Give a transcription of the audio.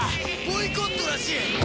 ボイコットらしい。